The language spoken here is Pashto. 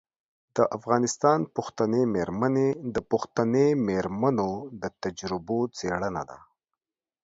د افغانستان پښتنې میرمنې د پښتنې میرمنو د تجربو څیړنه ده.